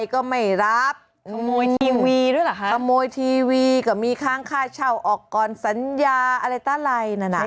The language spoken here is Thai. กระโมยทีวีก็มีค้างค่าเช่าออกก่อนสัญญาอะไรตั้งไหร่น่ะน่ะ